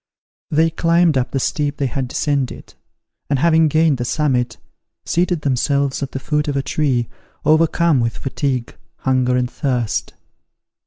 They climbed up the steep they had descended; and having gained the summit, seated themselves at the foot of a tree, overcome with fatigue, hunger and thirst.